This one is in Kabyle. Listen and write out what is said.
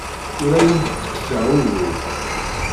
Ur awent-ttekkseɣ ugur.